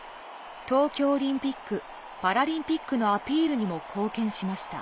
東京オリンピック・パラリンピックのアピールにも貢献しました。